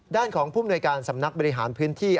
ด้านของผู้มนวยการสำนักบริหารพื้นที่